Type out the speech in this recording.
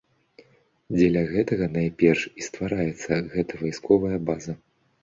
Дзеля гэтага найперш і ствараецца гэта вайсковая база.